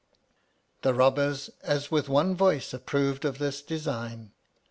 The robbers as with one voice approved of this design.